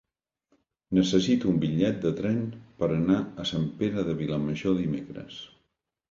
Necessito un bitllet de tren per anar a Sant Pere de Vilamajor dimecres.